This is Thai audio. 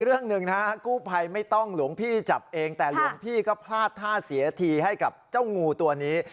เรื่องหนึ่งนะฮะกู้ภัยไม่ต้องหลวงพี่จับเองแต่หลวงพี่ก็พลาดท่าเสียทีให้กับเจ้างูตัวนี้